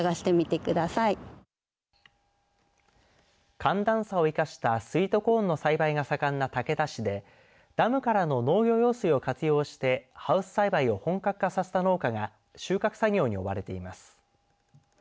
寒暖差を生かしたスイートコーンの栽培が盛んな竹田市でダムからの農業用水を活用してハウス栽培を本格化させた農家が収穫作業に追われています。